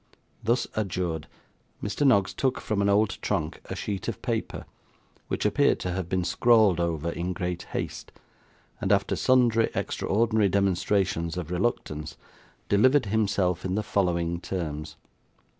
Thus adjured, Mr. Noggs took, from an old trunk, a sheet of paper, which appeared to have been scrawled over in great haste; and after sundry extraordinary demonstrations of reluctance, delivered himself in the following terms.